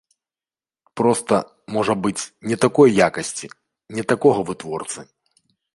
Проста, можа быць, не такой якасці, не такога вытворцы.